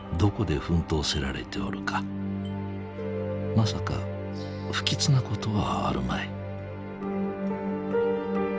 「まさか不吉な事はあるまい」。